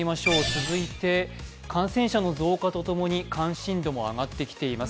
続いて、感染者の増加とともに関心度も上がってきています。